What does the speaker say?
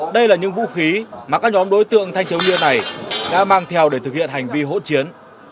đây là những vũ khí mà các nhóm đối tượng thanh thiếu niên này đã mang theo để thực hiện hành vi hỗn chiến